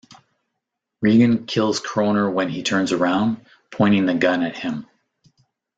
Regan kills Kroner when he turns around, pointing the gun at him.